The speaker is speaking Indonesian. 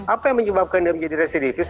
apa yang menyebabkan dia menjadi residivis